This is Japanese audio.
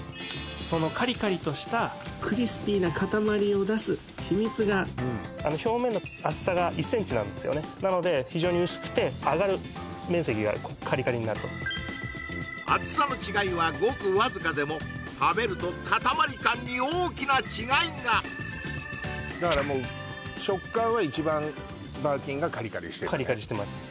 そのカリカリとした表面の厚さが１ｃｍなんですよねなので非常に薄くて揚がる面積がカリカリになると厚さの違いはごくわずかでも食べると塊感に大きな違いがだからもう食感は一番バーキンがカリカリしてるのねカリカリしてます